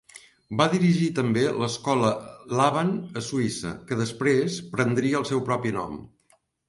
Va dirigir també l'escola Laban a Suïssa, que després prendria el seu propi nom.